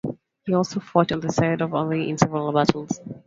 He also fought on the side of Ali in several battles.